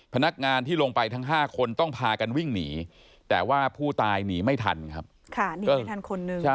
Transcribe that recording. พนักงานที่ลงไปทั้งห้าคนต้องพากันวิ่งหนีแต่ว่าผู้ตายหนีไม่ทันครับ